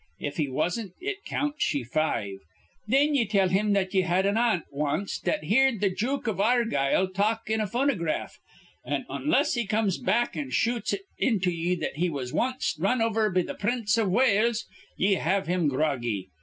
If he wasn't, it counts ye five. Thin ye tell him that ye had an aunt wanst that heerd th' Jook iv Argyle talk in a phonograph; an' onless he comes back an' shoots it into ye that he was wanst run over be th' Prince iv Wales, ye have him groggy.